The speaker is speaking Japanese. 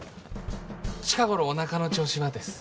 「近頃、お腹の調子は？」です。